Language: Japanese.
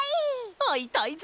あいたいぞ！